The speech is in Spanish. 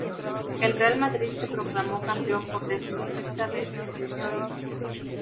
El Real Madrid se proclamó campeón por decimosexta vez en su historia.